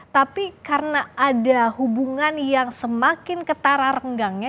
tapi karena ada hubungan yang semakin ketara renggangnya